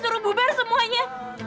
udah bubar sana